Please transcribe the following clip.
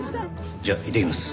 じゃあいってきます。